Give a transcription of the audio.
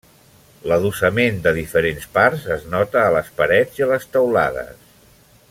L'adossament de diferents parts es nota a les parets i a les teulades.